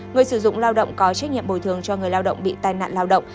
người sử dụng lao động có trách nhiệm bồi thường cho người lao động bị tai nạn lao động